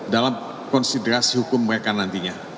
dalam konsiderasi hukum mereka nantinya